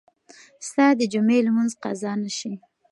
ستا د جمعې لمونځ قضا نه شي.